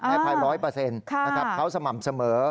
ให้ภาย๑๐๐นะครับเขาสม่ำเสมอ